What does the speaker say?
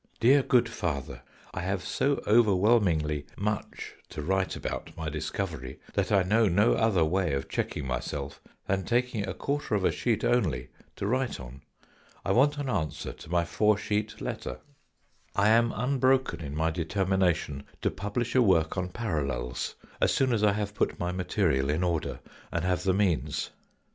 "DEAR GOOD FATHER, "I have so overwhelmingly much to write about my discovery that I know no other way of checking myself than taking a quarter of a sheet only to write on, I want an answer to my four sheet letter, 44 THE FOURTH DIMENSION " I am unbroken in my determination to publish a work on Parallels, as soon as I have put rny material in order and have the means.